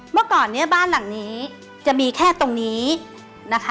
เมื่อก่อนเนี่ยบ้านหลังนี้จะมีแค่ตรงนี้นะคะ